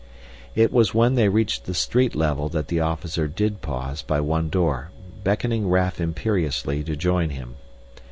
It was when they reached the street level that the officer did pause by one door, beckoning Raf imperiously to join him.